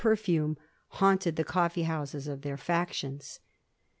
perfume, haunted the coffee houBes of their factions.